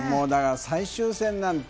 最終戦なんて。